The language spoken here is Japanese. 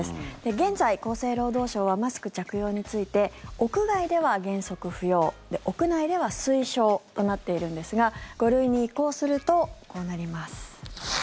現在、厚生労働省はマスク着用について屋外では原則不要、屋内では推奨となっているんですが５類に移行するとこうなります。